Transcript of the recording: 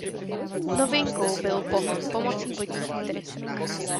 Novinkou byl pohon pomocí vodních trysek.